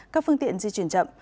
các phương tiện di chuyển chậm